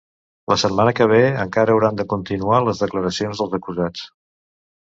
La setmana que ve encara hauran de continuar les declaracions dels acusats.